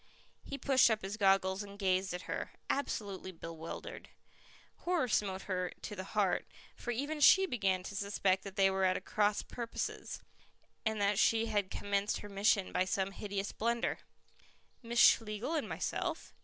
He pushed up his goggles and gazed at her, absolutely bewildered. Horror smote her to the heart, for even she began to suspect that they were at cross purposes, and that she had commenced her mission by some hideous blunder. "Miss Schlegel and myself."